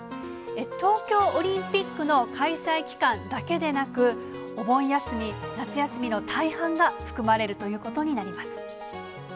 東京オリンピックの開催期間だけでなく、お盆休み、夏休みの大半が含まれるということになります。